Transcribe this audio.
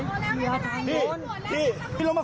ลงมาลงมาผมท้ายลักษณะไปแล้วพี่ลงมา